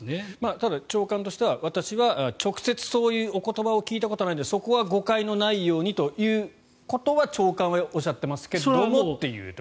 ただ、長官としては私は直接そういうお言葉を聞いたことがないのでそこは誤解がないようにということは長官はおっしゃっていますけれどもということですよね。